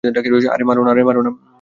আরে, মার না।